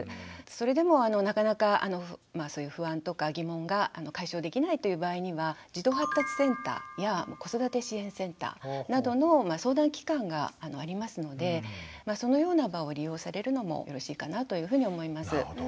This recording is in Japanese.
それでもなかなかそういう不安とか疑問が解消できないという場合には児童発達センターや子育て支援センターなどの相談機関がありますのでそのような場を利用されるのもよろしいかなというふうに思います。